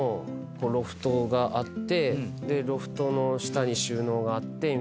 ロフトがあってロフトの下に収納があってみたいな。